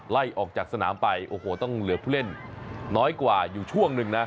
ไล่ออกจากสนามไปโอ้โหต้องเหลือผู้เล่นน้อยกว่าอยู่ช่วงหนึ่งนะ